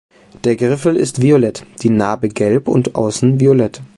Der Griffel ist violett, die Narbe gelb und außen violett.